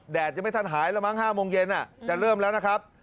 จะไม่ทันหายแล้วมั้ง๕โมงเย็นจะเริ่มแล้วนะครับ